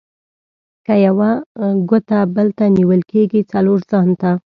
که یوه ګوته بل ته نيول کېږي؛ :څلور ځان ته.